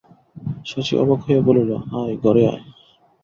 শশী অবাক হইয়া বলিল, আয় ঘরে আয়।